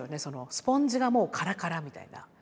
スポンジがもうカラカラみたいな。